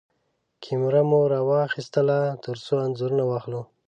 کېمره مو راواخيستله ترڅو انځورونه واخلو.